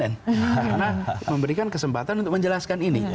karena memberikan kesempatan untuk menjelaskan ini